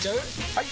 ・はい！